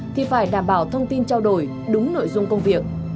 thì phải đảm bảo thông tin trao đổi đúng nội dung công việc